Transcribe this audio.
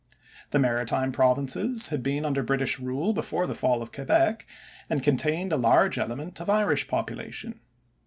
The maritime Provinces had been under British rule before the fall of Quebec and contained a large element of Irish population.